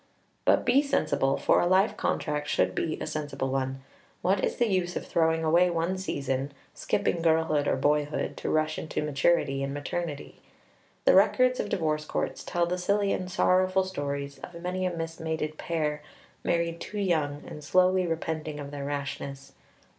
But be sensible, for a life contract should be a sensible one. What is the use of throwing away one season skipping girlhood or boyhood to rush into maturity and maternity? The records of divorce courts tell the silly and sorrowful stories of many a mismated pair, married too young and slowly repenting of their rashness.